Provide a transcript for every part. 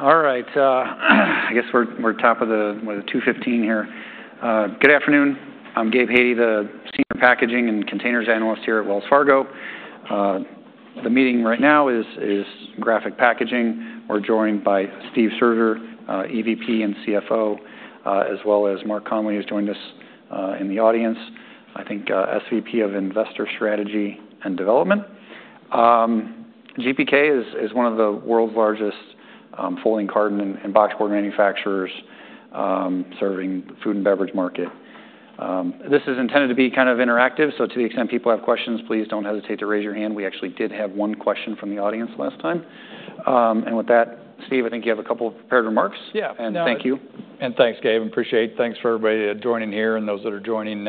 All right. I guess we're top of the, we're the 2:15 here. Good afternoon. I'm Gabe Hajde, the Senior Packaging and Containers Analyst here at Wells Fargo. The meeting right now is Graphic Packaging. We're joined by Steve Scherger, EVP and CFO, as well as Mark Connelly, who's joined us in the audience. I think, SVP of Investor Strategy and Development. GPK is one of the world's largest folding carton and boxboard manufacturers, serving the food and beverage market. This is intended to be kind of interactive, so to the extent people have questions, please don't hesitate to raise your hand. We actually did have one question from the audience last time. With that, Steve, I think you have a couple prepared remarks. Yeah. Thank you. Thanks, Gabe. Appreciate it. Thanks for everybody joining here and those that are joining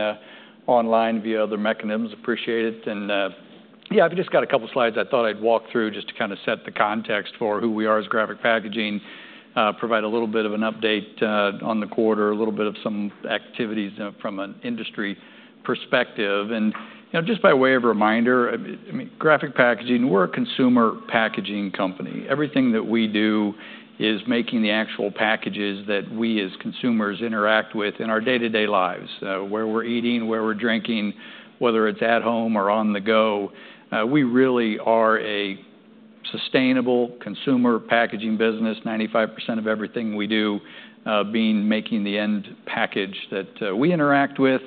online via other mechanisms. Appreciate it. Yeah, I have just got a couple slides I thought I would walk through just to kind of set the context for who we are as Graphic Packaging, provide a little bit of an update on the quarter, a little bit of some activities from an industry perspective. You know, just by way of reminder, I mean, Graphic Packaging, we are a consumer packaging company. Everything that we do is making the actual packages that we as consumers interact with in our day-to-day lives, where we are eating, where we are drinking, whether it is at home or on the go, we really are a sustainable consumer packaging business. 95% of everything we do is making the end package that we interact with.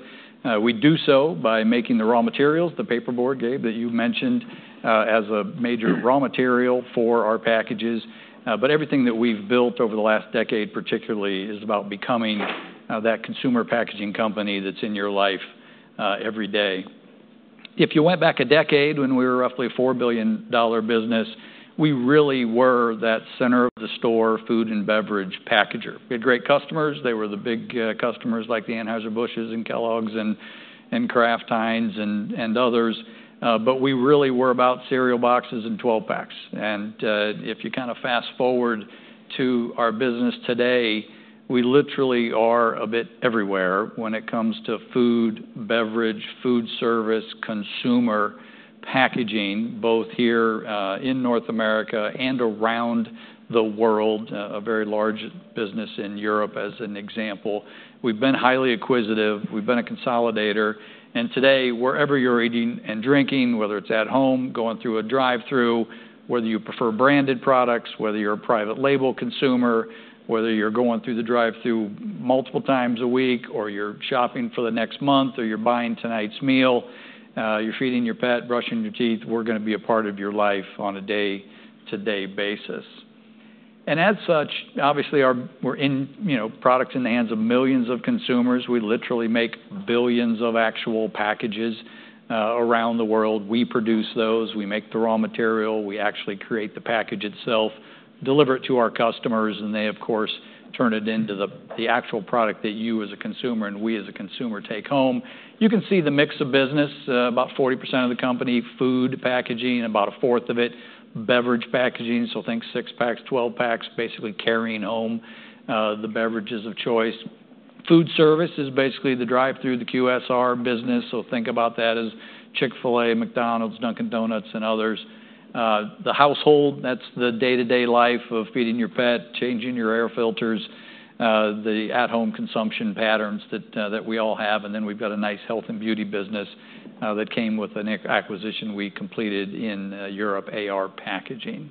We do so by making the raw materials, the paperboard, Gabe, that you've mentioned, as a major raw material for our packages. Everything that we've built over the last decade, particularly, is about becoming that consumer packaging company that's in your life every day. If you went back a decade when we were roughly a $4 billion business, we really were that center of the store, food and beverage packager. We had great customers. They were the big customers like the Anheuser-Busch's and Kellogg's and Kraft Heinz and others. We really were about cereal boxes and 12-packs. If you kind of fast forward to our business today, we literally are a bit everywhere when it comes to food, beverage, food service, consumer packaging, both here in North America and around the world. A very large business in Europe, as an example. We've been highly acquisitive. We've been a consolidator. Today, wherever you're eating and drinking, whether it's at home, going through a drive-through, whether you prefer branded products, whether you're a private label consumer, whether you're going through the drive-through multiple times a week, or you're shopping for the next month, or you're buying tonight's meal, you're feeding your pet, brushing your teeth, we're gonna be a part of your life on a day-to-day basis. As such, obviously, we're in, you know, products in the hands of millions of consumers. We literally make billions of actual packages around the world. We produce those. We make the raw material. We actually create the package itself, deliver it to our customers, and they, of course, turn it into the actual product that you as a consumer and we as a consumer take home. You can see the mix of business. About 40% of the company, food packaging, about a fourth of it, beverage packaging. Think six-packs, 12-packs, basically carrying home the beverages of choice. Food service is basically the drive-through, the QSR business. Think about that as Chick-fil-A, McDonald's, Dunkin' Donuts, and others. The household, that's the day-to-day life of feeding your pet, changing your air filters, the at-home consumption patterns that we all have. Then we've got a nice health and beauty business that came with an acquisition we completed in Europe, AR Packaging.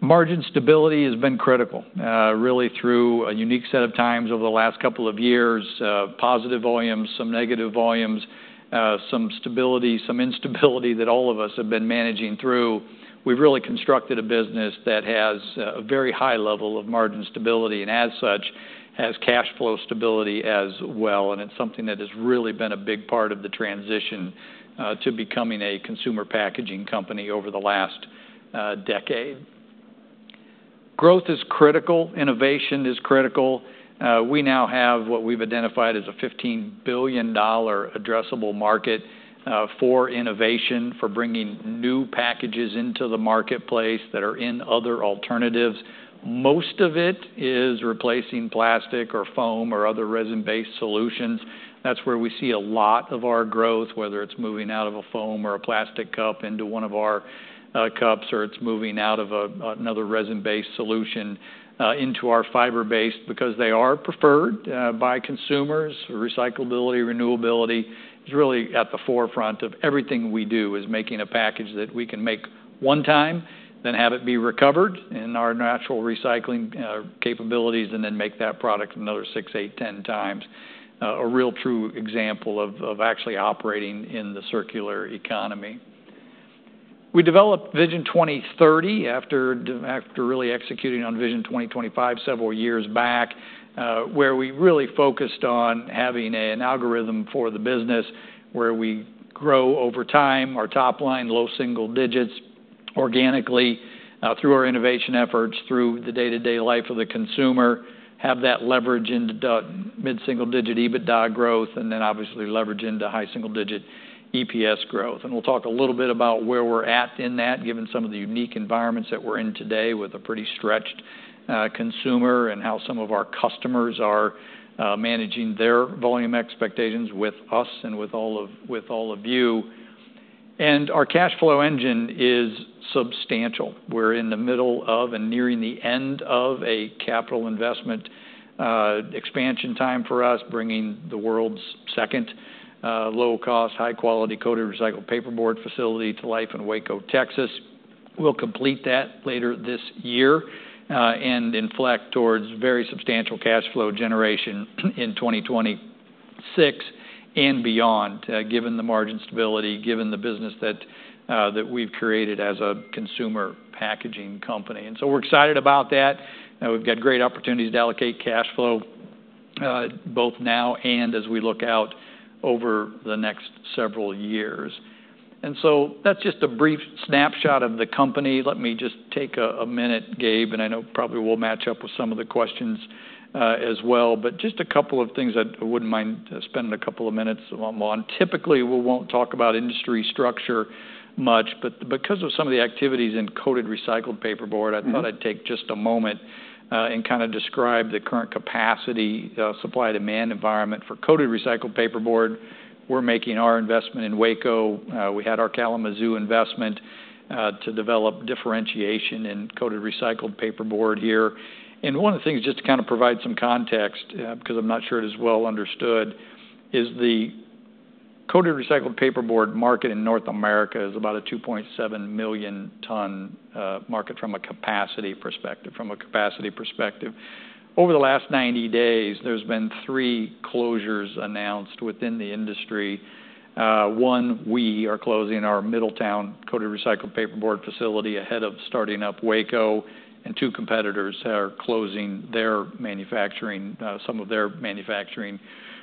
Margin stability has been critical, really through a unique set of times over the last couple of years. Positive volumes, some negative volumes, some stability, some instability that all of us have been managing through. We've really constructed a business that has a very high level of margin stability and, as such, has cash flow stability as well. It is something that has really been a big part of the transition to becoming a consumer packaging company over the last decade. Growth is critical. Innovation is critical. We now have what we have identified as a $15 billion addressable market for innovation, for bringing new packages into the marketplace that are in other alternatives. Most of it is replacing plastic or foam or other resin-based solutions. That is where we see a lot of our growth, whether it is moving out of a foam or a plastic cup into one of our cups, or it is moving out of another resin-based solution into our fiber-based because they are preferred by consumers. Recyclability, renewability is really at the forefront of everything we do, is making a package that we can make one time, then have it be recovered in our natural recycling capabilities, and then make that product another six, eight, 10 times. A real true example of actually operating in the circular economy. We developed Vision 2030 after really executing on Vision 2025 several years back, where we really focused on having an algorithm for the business where we grow over time, our top line, low single digits, organically, through our innovation efforts, through the day-to-day life of the consumer, have that leverage into mid-single digit EBITDA growth, and then obviously leverage into high single digit EPS growth. We'll talk a little bit about where we're at in that, given some of the unique environments that we're in today with a pretty stretched consumer, and how some of our customers are managing their volume expectations with us and with all of you. Our cash flow engine is substantial. We're in the middle of and nearing the end of a capital investment expansion time for us, bringing the world's second low-cost, high-quality Coated Recycled Paperboard facility to life in Waco, Texas. We'll complete that later this year, and inflect towards very substantial cash flow generation in 2026 and beyond, given the margin stability, given the business that we've created as a consumer packaging company. We're excited about that. We've got great opportunities to allocate cash flow, both now and as we look out over the next several years. That's just a brief snapshot of the company. Let me just take a minute, Gabe, and I know probably we'll match up with some of the questions, as well. Just a couple of things I wouldn't mind spending a couple of minutes on. Typically, we won't talk about industry structure much, but because of some of the activities in Coated Recycled Paperboard, I thought I'd take just a moment and kind of describe the current capacity, supply-demand environment for Coated Recycled Paperboard. We're making our investment in Waco. We had our Kalamazoo investment to develop differentiation in Coated Recycled Paperboard here. One of the things, just to kind of provide some context, because I'm not sure it is well understood, is the Coated Recycled Paperboard market in North America is about a 2.7 million ton market from a capacity perspective. From a capacity perspective, over the last 90 days, there's been three closures announced within the industry. One, we are closing our Middletown Coated Recycled Paperboard facility ahead of starting up Waco, and two competitors are closing their manufacturing, some of their manufacturing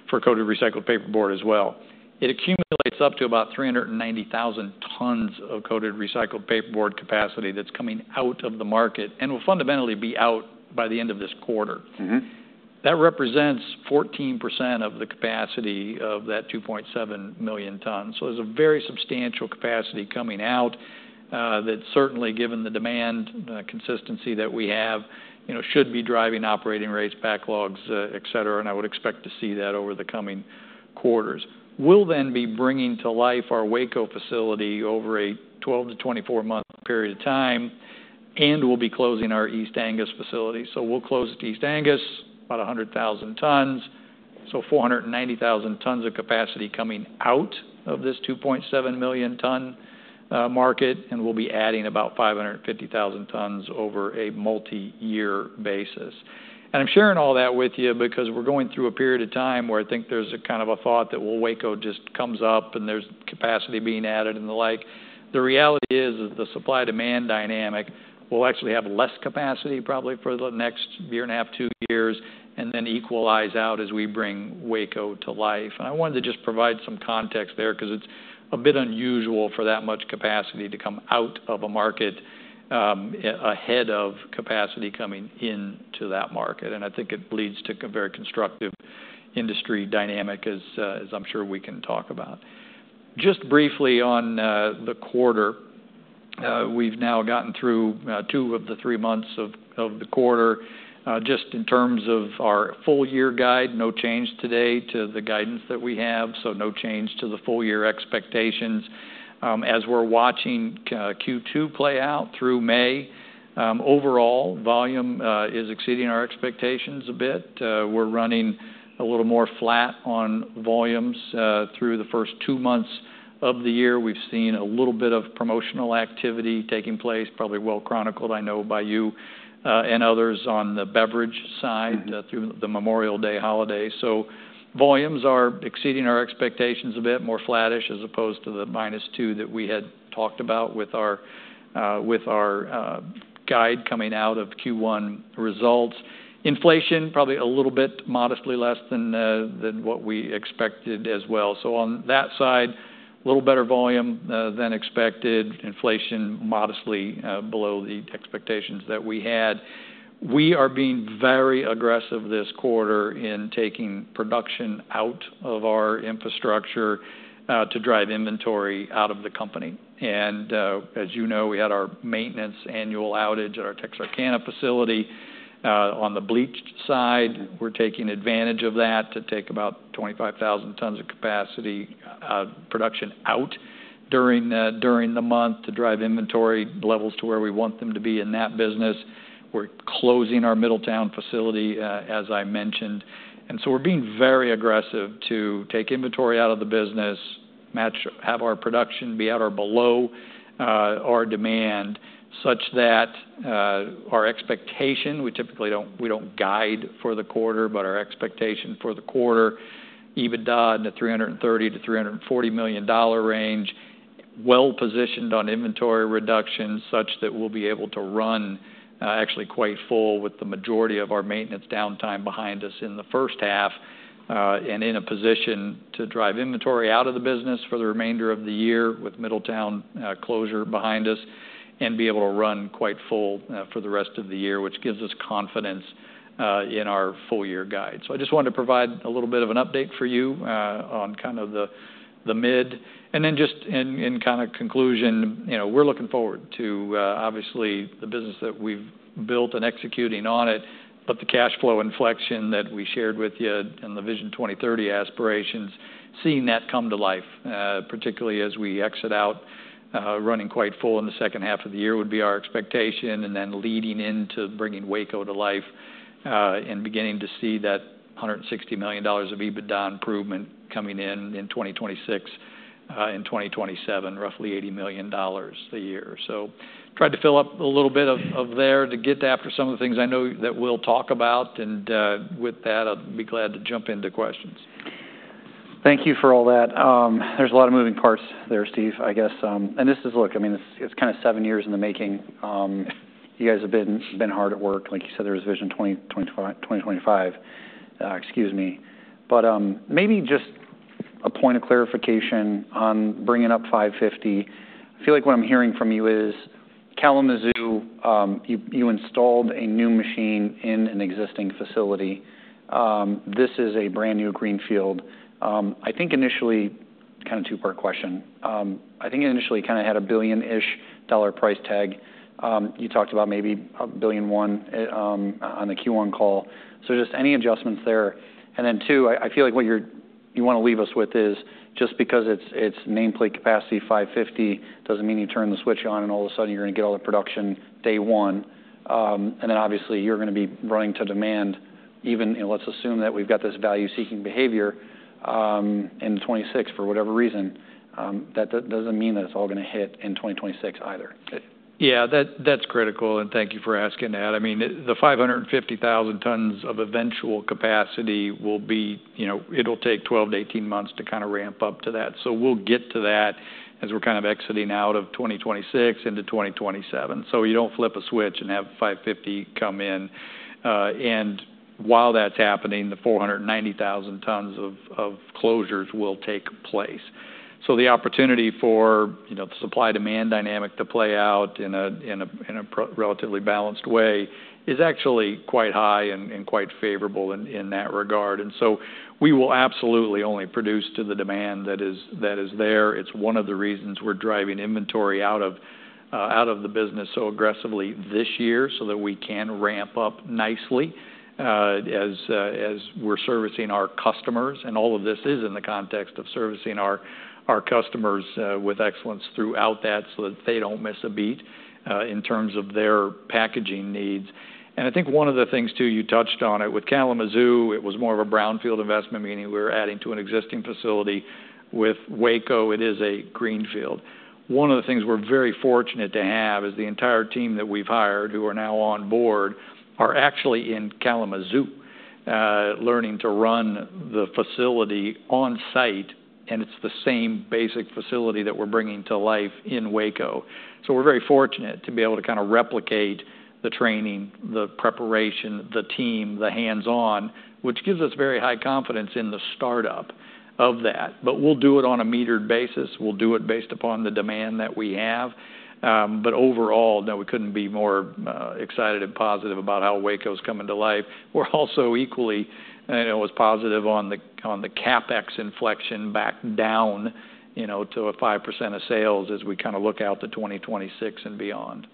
for Coated Recycled Paperboard as well. It accumulates up to about 390,000 tons of Coated Recycled Paperboard capacity that's coming out of the market and will fundamentally be out by the end of this quarter. Mm-hmm. That represents 14% of the capacity of that 2.7 million tons. So there's a very substantial capacity coming out, that certainly, given the demand, consistency that we have, you know, should be driving operating rates, backlogs, etc., and I would expect to see that over the coming quarters. We'll then be bringing to life our Waco facility over a 12- to 24-month period of time, and we'll be closing our East Angus facility. So we'll close at East Angus, about 100,000 tons. So 490,000 tons of capacity coming out of this 2.7 million ton market, and we'll be adding about 550,000 tons over a multi-year basis. And I'm sharing all that with you because we're going through a period of time where I think there's a kind of a thought that, well, Waco just comes up and there's capacity being added and the like. The reality is, is the supply-demand dynamic will actually have less capacity probably for the next year and a half, two years, and then equalize out as we bring Waco to life. I wanted to just provide some context there because it is a bit unusual for that much capacity to come out of a market, ahead of capacity coming into that market. I think it leads to a very constructive industry dynamic, as, as I am sure we can talk about. Just briefly on the quarter, we have now gotten through two of the three months of the quarter, just in terms of our full-year guide. No change today to the guidance that we have. No change to the full-year expectations. As we are watching Q2 play out through May, overall volume is exceeding our expectations a bit. We're running a little more flat on volumes, through the first two months of the year. We've seen a little bit of promotional activity taking place, probably well chronicled, I know, by you, and others on the beverage side, through the Memorial Day holiday. Volumes are exceeding our expectations a bit, more flattish as opposed to the minus 2% that we had talked about with our guide coming out of Q1 results. Inflation, probably a little bit modestly less than what we expected as well. On that side, a little better volume than expected. Inflation modestly below the expectations that we had. We are being very aggressive this quarter in taking production out of our infrastructure to drive inventory out of the company. As you know, we had our maintenance annual outage at our Texarkana facility. On the Bleached side, we're taking advantage of that to take about 25,000 tons of capacity, production out during the month to drive inventory levels to where we want them to be in that business. We're closing our Middletown facility, as I mentioned. We're being very aggressive to take inventory out of the business, match, have our production be at or below our demand such that our expectation, we typically don't guide for the quarter, but our expectation for the quarter, EBITDA in the $330-$340 million range, well positioned on inventory reduction such that we'll be able to run actually quite full with the majority of our maintenance downtime behind us in the first half, and in a position to drive inventory out of the business for the remainder of the year with Middletown closure behind us and be able to run quite full for the rest of the year, which gives us confidence in our full-year guide. I just wanted to provide a little bit of an update for you on kind of the mid. In kind of conclusion, you know, we're looking forward to, obviously, the business that we've built and executing on it, but the cash flow inflection that we shared with you and the Vision 2030 aspirations, seeing that come to life, particularly as we exit out, running quite full in the second half of the year would be our expectation, and then leading into bringing Waco to life, and beginning to see that $160 million of EBITDA improvement coming in, in 2026, in 2027, roughly $80 million a year. Tried to fill up a little bit of there to get after some of the things I know that we'll talk about. With that, I'll be glad to jump into questions. Thank you for all that. There is a lot of moving parts there, Steve, I guess. This is, look, I mean, it is kind of seven years in the making. You guys have been hard at work. Like you said, there was Vision 2025, 2025, excuse me. Maybe just a point of clarification on bringing up 550. I feel like what I am hearing from you is Kalamazoo, you installed a new machine in an existing facility. This is a brand new greenfield. I think initially, kind of two-part question. I think initially kind of had a billion-ish dollar price tag. You talked about maybe a billion one on the Q1 call. Just any adjustments there. I feel like what you want to leave us with is just because it's nameplate capacity 550 does not mean you turn the switch on and all of a sudden you are going to get all the production day one. Obviously, you are going to be running to demand even, you know, let's assume that we have got this value-seeking behavior in 2026 for whatever reason, that does not mean that it is all going to hit in 2026 either. Yeah, that, that's critical. And thank you for asking that. I mean, the 550,000 tons of eventual capacity will be, you know, it'll take 12-18 months to kind of ramp up to that. So we'll get to that as we're kind of exiting out of 2026 into 2027. You don't flip a switch and have 550 come in. And while that's happening, the 490,000 tons of closures will take place. The opportunity for, you know, the supply-demand dynamic to play out in a relatively balanced way is actually quite high and quite favorable in that regard. And we will absolutely only produce to the demand that is there. It's one of the reasons we're driving inventory out of the business so aggressively this year so that we can ramp up nicely, as we're servicing our customers. All of this is in the context of servicing our customers with excellence throughout that so that they don't miss a beat, in terms of their packaging needs. I think one of the things too, you touched on it with Kalamazoo, it was more of a brownfield investment meaning we were adding to an existing facility. With Waco, it is a greenfield. One of the things we're very fortunate to have is the entire team that we've hired who are now on board are actually in Kalamazoo, learning to run the facility on site, and it's the same basic facility that we're bringing to life in Waco. We're very fortunate to be able to kind of replicate the training, the preparation, the team, the hands-on, which gives us very high confidence in the startup of that. We'll do it on a metered basis. We'll do it based upon the demand that we have. Overall, no, we couldn't be more excited and positive about how Waco's coming to life. We're also equally, you know, as positive on the CapEx inflection back down to a 5% of sales as we kind of look out to 2026 and beyond.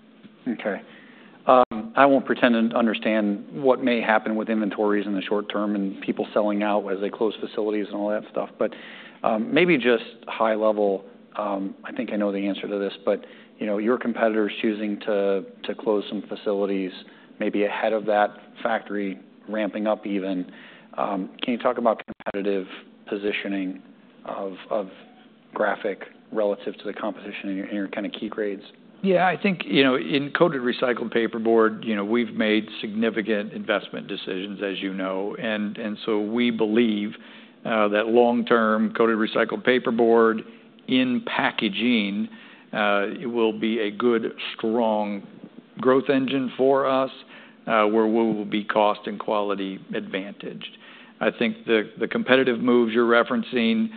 Okay. I won't pretend to understand what may happen with inventories in the short term and people selling out as they close facilities and all that stuff, but maybe just high level, I think I know the answer to this, but, you know, your competitors choosing to close some facilities maybe ahead of that factory ramping up even. Can you talk about competitive positioning of Graphic relative to the competition in your kind of key grades? Yeah, I think, you know, in Coated Recycled Paperboard, you know, we've made significant investment decisions, as you know. And so we believe that long-term Coated Recycled Paperboard in packaging, it will be a good, strong growth engine for us, where we will be cost and quality advantaged. I think the competitive moves you're referencing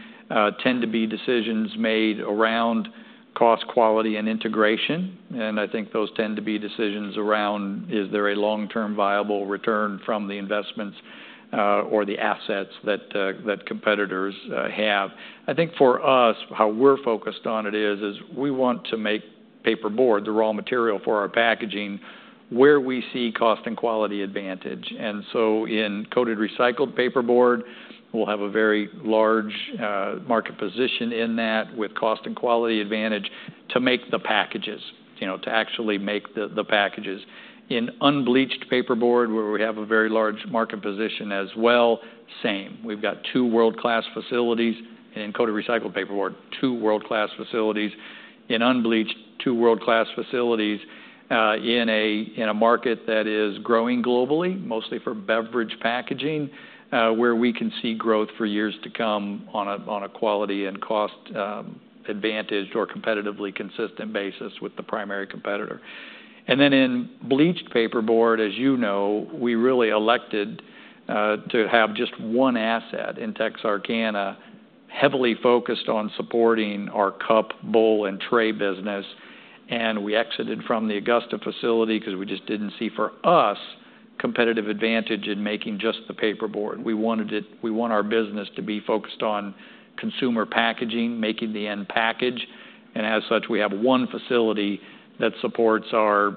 tend to be decisions made around cost, quality, and integration. I think those tend to be decisions around, is there a long-term viable return from the investments, or the assets that competitors have. I think for us, how we're focused on it is, is we want to make paperboard, the raw material for our packaging, where we see cost and quality advantage. In Coated Recycled Paperboard, we will have a very large market position in that with cost and quality advantage to make the packages, you know, to actually make the packages. In Unbleached Paperboard, where we have a very large market position as well, same. We have two world-class facilities in Coated Recycled Paperboard, two world-class facilities in Unbleached, two world-class facilities in a market that is growing globally, mostly for beverage packaging, where we can see growth for years to come on a quality and cost advantage or competitively consistent basis with the primary competitor. In Bleached Paperboard, as you know, we really elected to have just one asset in Texarkana, heavily focused on supporting our cup, bowl, and tray business. We exited from the Augusta facility because we just did not see for us competitive advantage in making just the paperboard. We wanted it, we want our business to be focused on consumer packaging, making the end package. As such, we have one facility that supports our,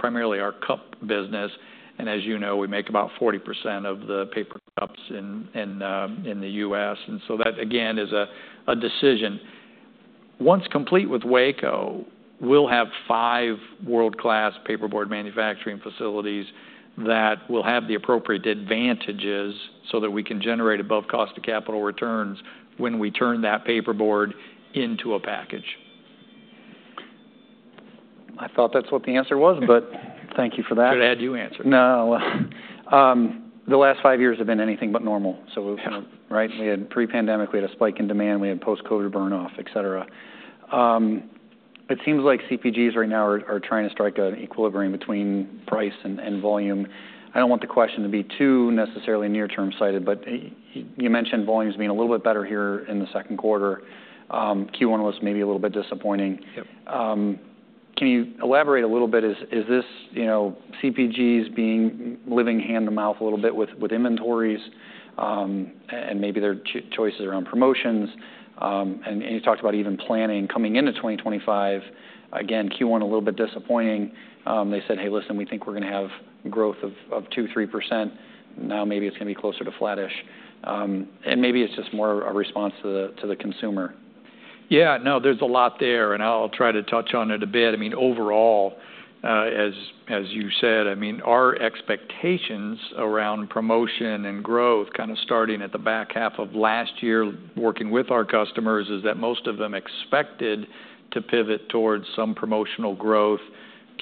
primarily our cup business. As you know, we make about 40% of the paper cups in the U.S.. That, again, is a decision. Once complete with Waco, we will have five world-class paperboard manufacturing facilities that will have the appropriate advantages so that we can generate above cost of capital returns when we turn that paperboard into a package. I thought that's what the answer was, but thank you for that. Should have had you answer. No, the last five years have been anything but normal. So we've, right? We had pre-pandemic, we had a spike in demand, we had post-COVID burn off, et cetera. It seems like CPGs right now are trying to strike an equilibrium between price and volume. I don't want the question to be too necessarily near-term sighted, but you mentioned volumes being a little bit better here in the second quarter. Q1 was maybe a little bit disappointing. Yep. Can you elaborate a little bit? Is this, you know, CPGs being, living hand to mouth a little bit with inventories, and maybe their choices around promotions? You talked about even planning coming into 2025. Again, Q1 a little bit disappointing. They said, "Hey, listen, we think we're going to have growth of 2-3%." Now maybe it's going to be closer to flattish, and maybe it's just more a response to the consumer. Yeah, no, there's a lot there and I'll try to touch on it a bit. I mean, overall, as you said, I mean, our expectations around promotion and growth kind of starting at the back half of last year working with our customers is that most of them expected to pivot towards some promotional growth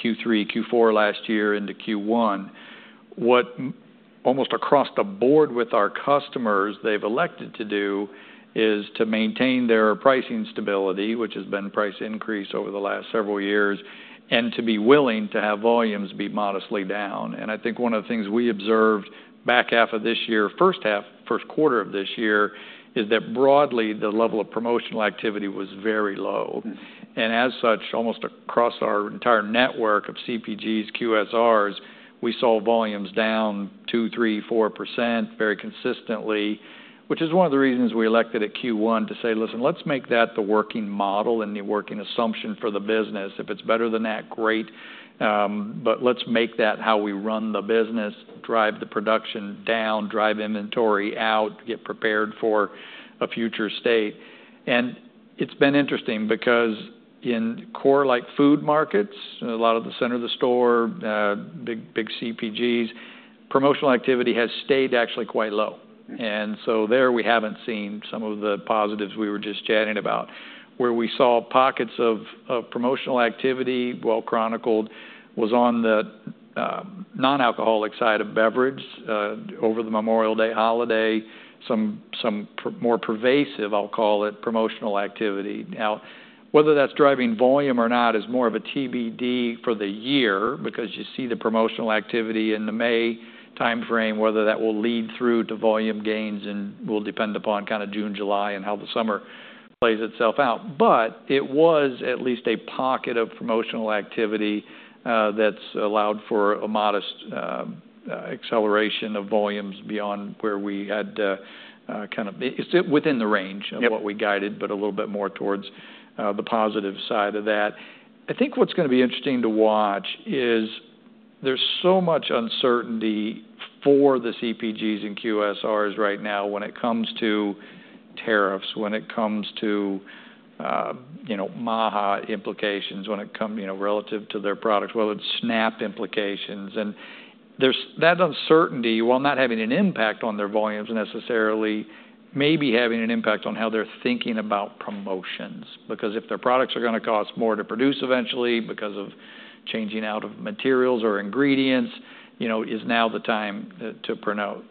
Q3, Q4 last year into Q1. What almost across the board with our customers they've elected to do is to maintain their pricing stability, which has been price increase over the last several years, and to be willing to have volumes be modestly down. I think one of the things we observed back half of this year, first half, first quarter of this year is that broadly the level of promotional activity was very low. As such, almost across our entire network of CPGs, QSRs, we saw volumes down 2%, 3%, 4% very consistently, which is one of the reasons we elected at Q1 to say, "Listen, let's make that the working model and the working assumption for the business. If it's better than that, great. but let's make that how we run the business, drive the production down, drive inventory out, get prepared for a future state." It has been interesting because in core food markets, a lot of the center of the store, big, big CPGs, promotional activity has stayed actually quite low. There we have not seen some of the positives we were just chatting about where we saw pockets of promotional activity. Well chronicled was on the non-alcoholic side of beverage, over the Memorial Day holiday, some more pervasive, I'll call it, promotional activity. Now, whether that's driving volume or not is more of a TBD for the year because you see the promotional activity in the May timeframe, whether that will lead through to volume gains will depend upon kind of June, July and how the summer plays itself out. It was at least a pocket of promotional activity that's allowed for a modest acceleration of volumes beyond where we had, kind of it's within the range of what we guided, but a little bit more towards the positive side of that. I think what's going to be interesting to watch is there's so much uncertainty for the CPGs and QSRs right now when it comes to tariffs, when it comes to, you know, MAHA implications, when it comes, you know, relative to their products, whether it's SNAP implications. There is that uncertainty while not having an impact on their volumes necessarily, maybe having an impact on how they're thinking about promotions, because if their products are going to cost more to produce eventually because of changing out of materials or ingredients, you know, is now the time to promote.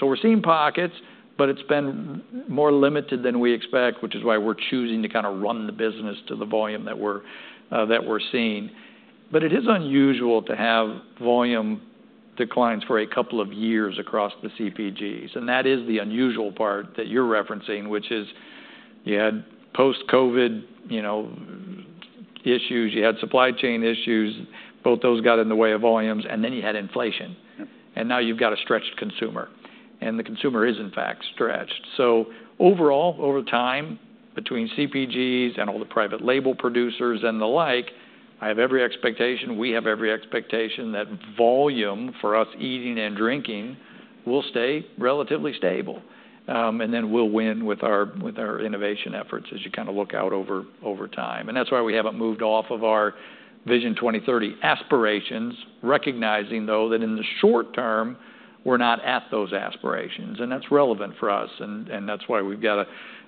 We're seeing pockets, but it's been more limited than we expect, which is why we're choosing to kind of run the business to the volume that we're seeing. It is unusual to have volume declines for a couple of years across the CPGs. That is the unusual part that you're referencing, which is you had post-COVID, you know, issues, you had supply chain issues, both those got in the way of volumes, and then you had inflation. Now you've got a stretched consumer. The consumer is in fact stretched. Overall, over time between CPGs and all the private label producers and the like, I have every expectation, we have every expectation that volume for us eating and drinking will stay relatively stable, and then we'll win with our innovation efforts as you kind of look out over time. That is why we haven't moved off of our Vision 2030 aspirations, recognizing though that in the short term, we're not at those aspirations. That is relevant for us, and that is why we've got to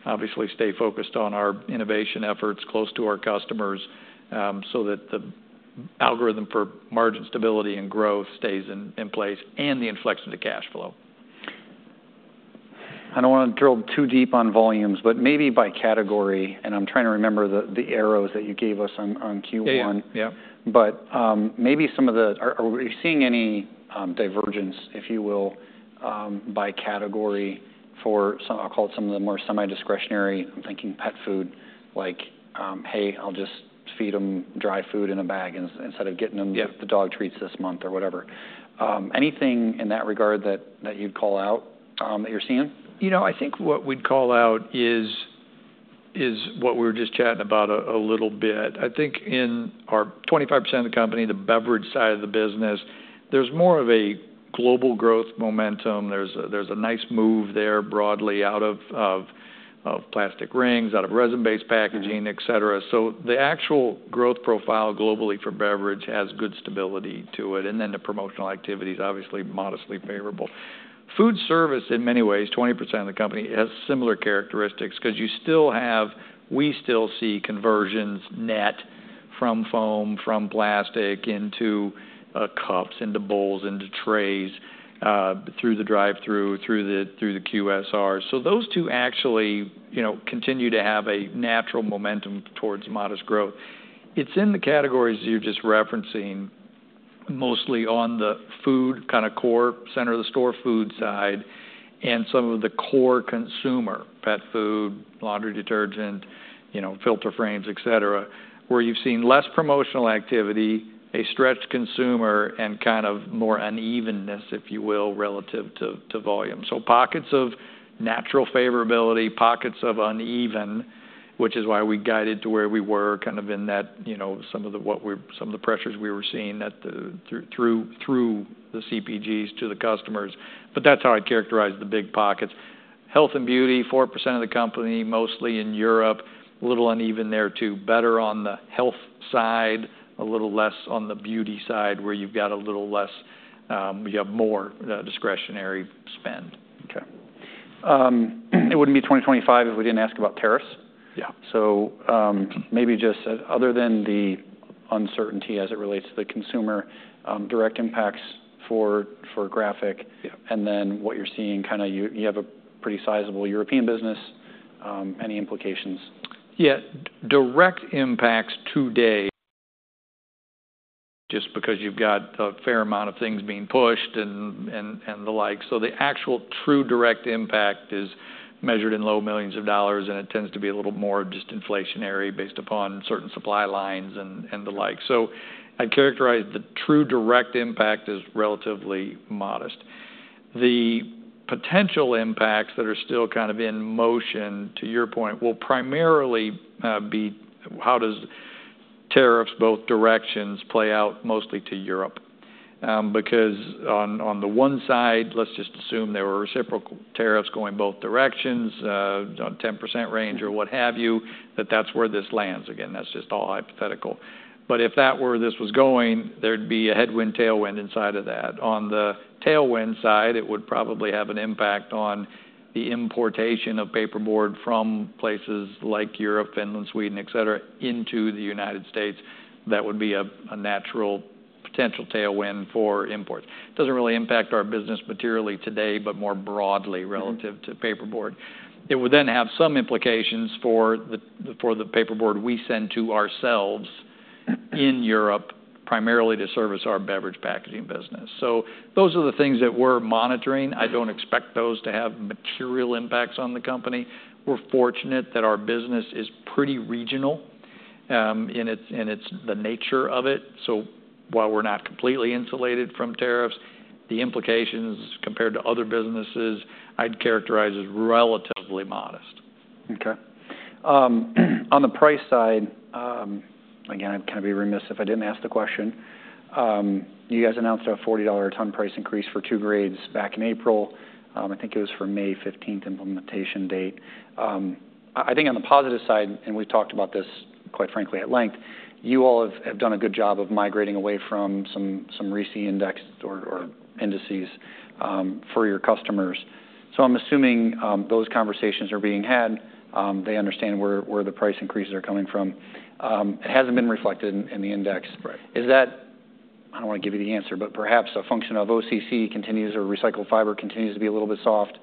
obviously stay focused on our innovation efforts close to our customers, so that the algorithm for margin stability and growth stays in place and the inflection to cash flow. I don't want to drill too deep on volumes, but maybe by category, and I'm trying to remember the arrows that you gave us on Q1. Yep. Maybe some of the, are we seeing any divergence, if you will, by category for some, I'll call it some of the more semi-discretionary, I'm thinking pet food, like, hey, I'll just feed them dry food in a bag instead of getting them the dog treats this month or whatever. Anything in that regard that you'd call out, that you're seeing? You know, I think what we'd call out is what we were just chatting about a little bit. I think in our 25% of the company, the beverage side of the business, there's more of a global growth momentum. There's a nice move there broadly out of plastic rings, out of resin-based packaging, et cetera. The actual growth profile globally for beverage has good stability to it. The promotional activity is obviously modestly favorable. Food service in many ways, 20% of the company, has similar characteristics because you still have, we still see conversions net from foam, from plastic into cups, into bowls, into trays, through the drive-through, through the QSRs. Those two actually, you know, continue to have a natural momentum towards modest growth. It's in the categories you're just referencing, mostly on the food, kind of core center of the store food side, and some of the core consumer, pet food, laundry detergent, you know, filter frames, et cetera, where you've seen less promotional activity, a stretched consumer, and kind of more unevenness, if you will, relative to volume. Pockets of natural favorability, pockets of uneven, which is why we guided to where we were, kind of in that, you know, some of the pressures we were seeing that through the CPGs to the customers. That's how I'd characterize the big pockets. Health and beauty, 4% of the company, mostly in Europe, a little uneven there too, better on the health side, a little less on the beauty side where you've got a little less, you have more discretionary spend. Okay. It wouldn't be 2025 if we didn't ask about tariffs. Yeah. Maybe just other than the uncertainty as it relates to the consumer, direct impacts for Graphic, and then what you're seeing, you have a pretty sizable European business, any implications? Yeah. Direct impacts today, just because you've got a fair amount of things being pushed and the like. The actual true direct impact is measured in low millions of dollars and it tends to be a little more just inflationary based upon certain supply lines and the like. I'd characterize the true direct impact as relatively modest. The potential impacts that are still kind of in motion to your point will primarily be how do tariffs both directions play out mostly to Europe. Because on the one side, let's just assume there were reciprocal tariffs going both directions, on 10% range or what have you, that's where this lands. Again, that's just all hypothetical. If that were where this was going, there would be a headwind, tailwind inside of that. On the tailwind side, it would probably have an impact on the importation of paperboard from places like Europe, Finland, Sweden, et cetera, into the United States. That would be a natural potential tailwind for imports. It doesn't really impact our business materially today, but more broadly relative to paperboard. It would then have some implications for the paperboard we send to ourselves in Europe primarily to service our beverage packaging business. Those are the things that we're monitoring. I don't expect those to have material impacts on the company. We're fortunate that our business is pretty regional, in its nature. While we're not completely insulated from tariffs, the implications compared to other businesses I'd characterize as relatively modest. Okay. On the price side, again, I'd kind of be remiss if I didn't ask the question. You guys announced a $40 a ton price increase for two grades back in April. I think it was for a May 15th implementation date. I think on the positive side, and we've talked about this quite frankly at length, you all have done a good job of migrating away from some recent index or indices for your customers. I'm assuming those conversations are being had. They understand where the price increases are coming from. It hasn't been reflected in the index. Right. Is that, I do not want to give you the answer, but perhaps a function of OCC continues or recycled fiber continues to be a little bit soft.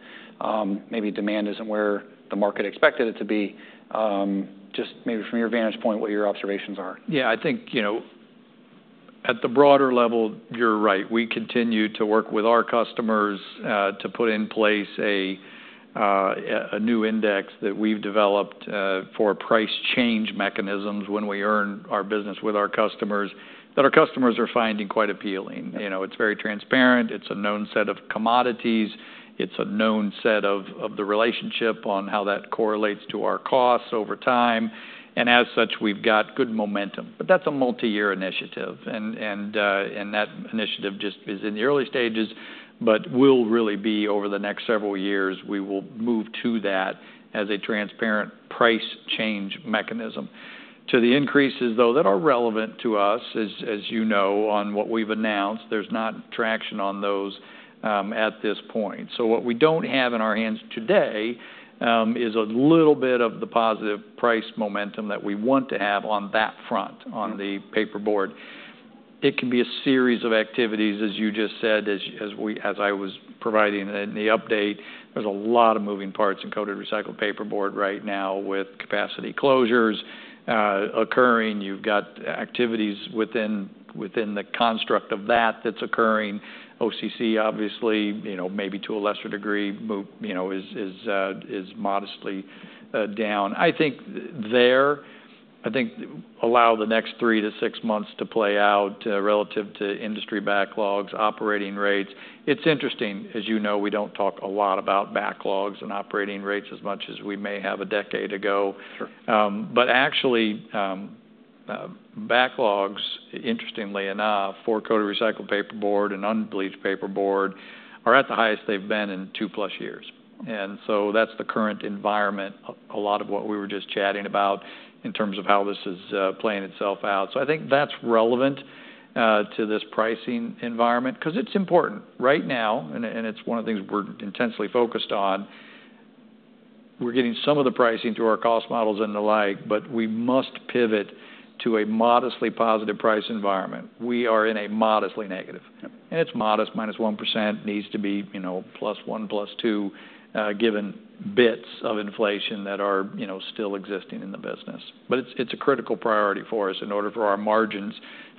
Maybe demand is not where the market expected it to be. Just maybe from your vantage point, what your observations are? Yeah, I think, you know, at the broader level, you're right. We continue to work with our customers to put in place a new index that we've developed for price change mechanisms when we earn our business with our customers that our customers are finding quite appealing. You know, it's very transparent. It's a known set of commodities. It's a known set of the relationship on how that correlates to our costs over time. As such, we've got good momentum. That's a multi-year initiative, and that initiative just is in the early stages, but really over the next several years, we will move to that as a transparent price change mechanism. To the increases though that are relevant to us, as you know, on what we've announced, there's not traction on those at this point. What we do not have in our hands today is a little bit of the positive price momentum that we want to have on that front on the paperboard. It can be a series of activities, as you just said, as I was providing in the update. There are a lot of moving parts in Coated Recycled Paperboard right now with capacity closures occurring. You have activities within the construct of that that are occurring. OCC, obviously, you know, maybe to a lesser degree, is modestly down. I think allow the next three to six months to play out relative to industry backlogs and operating rates. It is interesting, as you know, we do not talk a lot about backlogs and operating rates as much as we may have a decade ago. but actually, backlogs, interestingly enough, for Coated Recycled Paperboard and Unbleached Paperboard are at the highest they've been in two plus years. That's the current environment, a lot of what we were just chatting about in terms of how this is playing itself out. I think that's relevant to this pricing environment because it's important right now. It's one of the things we're intensely focused on. We're getting some of the pricing through our cost models and the like, but we must pivot to a modestly positive price environment. We are in a modestly negative. It's modest minus 1% needs to be, you know, plus one, plus two, given bits of inflation that are, you know, still existing in the business. It's a critical priority for us in order for our margins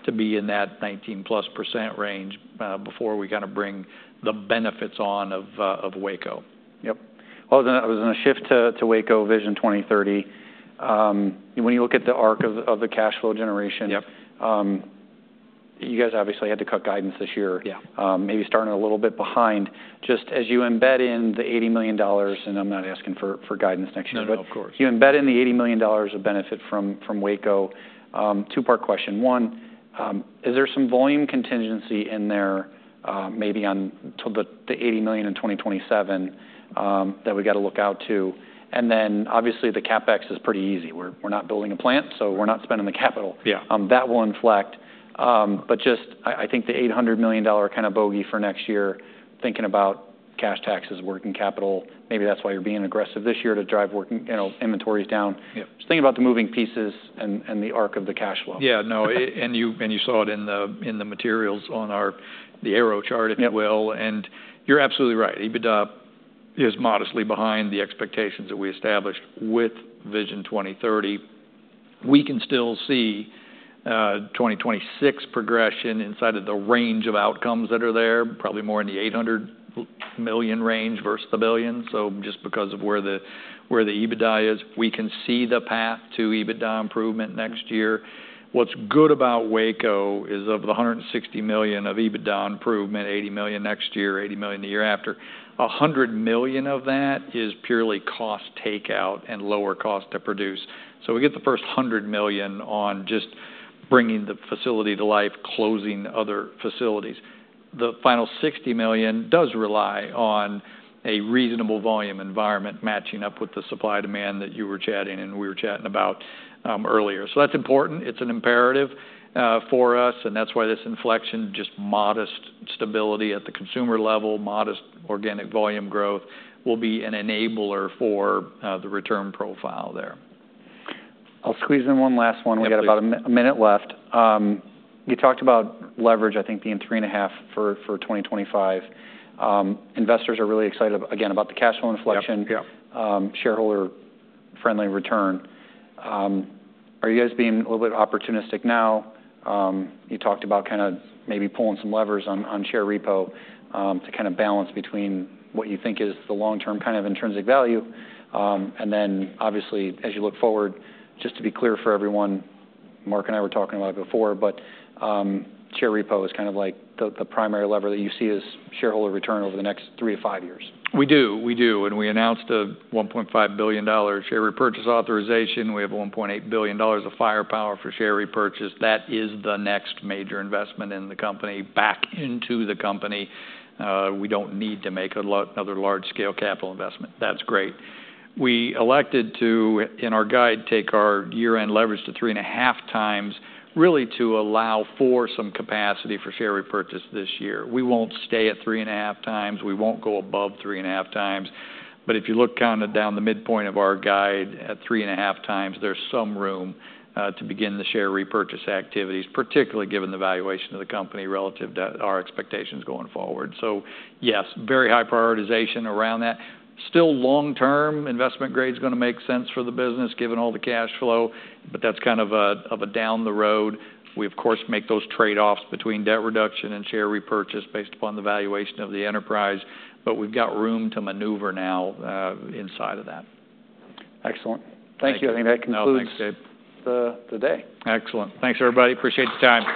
to be in that 19% plus range, before we kind of bring the benefits on of Waco. Yep. I was going to shift to Waco Vision 2030. When you look at the arc of the cash flow generation, you guys obviously had to cut guidance this year. Maybe starting a little bit behind just as you embed in the $80 million, and I'm not asking for guidance next year, but you embed in the $80 million of benefit from Waco. Two-part question. One, is there some volume contingency in there, maybe on to the $80 million in 2027, that we got to look out to? And then obviously the CapEx is pretty easy. We're not building a plant, so we're not spending the capital. That will inflect. I think the $800 million kind of bogey for next year, thinking about cash taxes, working capital, maybe that's why you're being aggressive this year to drive working, you know, inventories down. Just thinking about the moving pieces and the arc of the cash flow. Yeah. No, you saw it in the materials on our, the arrow chart, if you will. You're absolutely right. EBITDA is modestly behind the expectations that we established with Vision 2030. We can still see 2026 progression inside of the range of outcomes that are there, probably more in the $800 million range versus the billion. Just because of where the EBITDA is, we can see the path to EBITDA improvement next year. What's good about Waco is, of the $160 million of EBITDA improvement, $80 million next year, $80 million the year after, $100 million of that is purely cost takeout and lower cost to produce. We get the first $100 million on just bringing the facility to life, closing other facilities. The final $60 million does rely on a reasonable volume environment matching up with the supply demand that you were chatting and we were chatting about earlier. That is important. It is an imperative for us. That is why this inflection, just modest stability at the consumer level, modest organic volume growth will be an enabler for the return profile there. I'll squeeze in one last one. We got about a minute left. You talked about leverage, I think being three and a half for 2025. Investors are really excited again about the cash flow inflection, shareholder friendly return. Are you guys being a little bit opportunistic now? You talked about kind of maybe pulling some levers on share repo, to kind of balance between what you think is the long-term kind of intrinsic value. And then obviously as you look forward, just to be clear for everyone, Mark and I were talking about it before, but share repo is kind of like the primary lever that you see as shareholder return over the next three to five years. We do. We do. And we announced a $1.5 billion share repurchase authorization. We have $1.8 billion of firepower for share repurchase. That is the next major investment in the company back into the company. We do not need to make another large scale capital investment. That is great. We elected to, in our guide, take our year-end leverage to three and a half times really to allow for some capacity for share repurchase this year. We will not stay at three and a half times. We will not go above three and a half times. If you look kind of down the midpoint of our guide at three and a half times, there is some room to begin the share repurchase activities, particularly given the valuation of the company relative to our expectations going forward. Yes, very high prioritization around that. Still, long-term investment grade is going to make sense for the business given all the cash flow, but that's kind of a, of a down the road. We, of course, make those trade-offs between debt reduction and share repurchase based upon the valuation of the enterprise, but we've got room to maneuver now, inside of that. Excellent. Thank you. I think that concludes the day. Excellent. Thanks everybody. Appreciate the time.